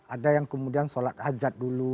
ada yang kemudian sholat hajat dulu